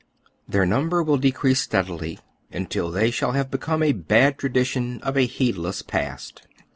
Their number will. decrease steadily until they shall have become a bad tra dition of a heedless past.